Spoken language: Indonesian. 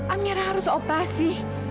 amira harus operasi